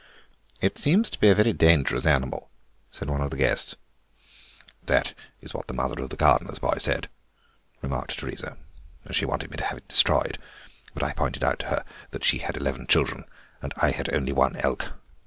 "It seems to be a very dangerous animal," said one of the guests. "That's what the mother of the gardener's boy said," remarked Teresa; "she wanted me to have it destroyed, but I pointed out to her that she had eleven children and I had only one elk.